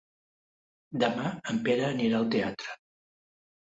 Demà en Pere anirà al teatre.